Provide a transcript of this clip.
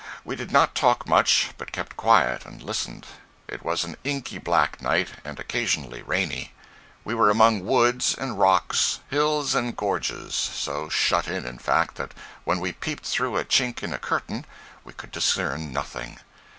We did not talk much, but kept quiet and listened. It was an inky black night, and occasionally rainy. We were among woods and rocks, hills and gorges—so shut in, in fact, that when we peeped through a chink in a curtain, we could discern nothing.